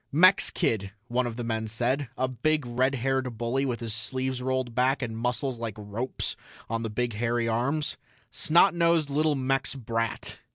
"Mex kid," one of the men said, a big red haired bully with his sleeves rolled back and muscles like ropes on the big hairy arms. "Snot nosed little Mex brat."